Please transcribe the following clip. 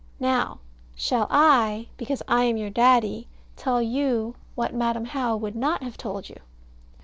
Now shall I, because I am your Daddy, tell you what Madam How would not have told you?